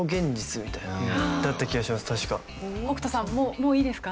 もういいですか？